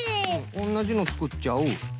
おんなじのつくっちゃう。